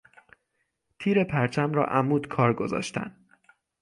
تیر پرچم را عمود کار گذاشتن